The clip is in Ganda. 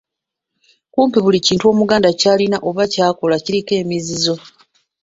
Kumpi buli kintu omuganda ky'alina oba ky'akola kiriko emizizo.